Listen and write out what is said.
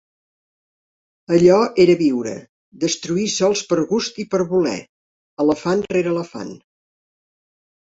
Allò era viure: destruir sols per gust i per voler. Elefant rere elefant.